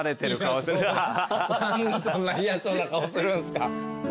何でそんな嫌そうな顔するんすか。